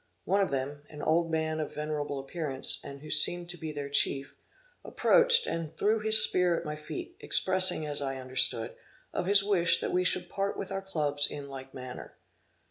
One of them, an old man of venerable appearance, and who seemed to be their chief, approached, and threw his spear at my feet, expressing as I understood, of his wish that we should part with our clubs in like manner.